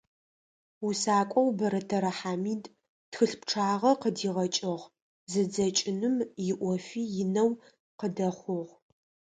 Усакӏоу Бэрэтэрэ Хьамид тхылъ пчъагъэ къыдигъэкӏыгъ, зэдзэкӏыным иӏофи инэу къыдэхъугъ.